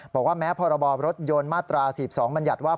บอกว่าแม้พรยมาตรา๑๒บัญญัติว่า